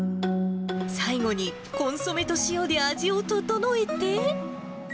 最後にコンソメと塩で味を調えて。